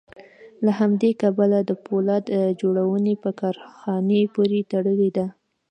له همدې کبله د پولاد جوړونې په کارخانې پورې تړلې ده